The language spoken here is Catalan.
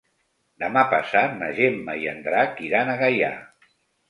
Demà passat na Gemma i en Drac iran a Gaià.